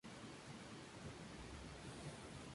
Desde entonces se conserva en la de Santa Columba.